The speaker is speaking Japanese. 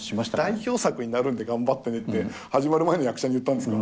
代表作になるので頑張ってねって始まる前の役者に言ったんですか？